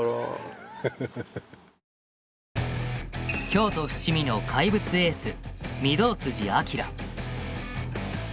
京都伏見の怪物エース御堂筋翔。